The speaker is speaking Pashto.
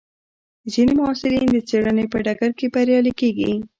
ځینې محصلین د څېړنې په ډګر کې بریالي کېږي.